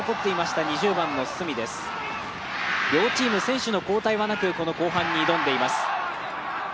両チーム、選手の交代はなくこの後半に挑んでいます。